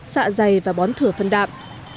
xạ dày và bón thửa phần đạm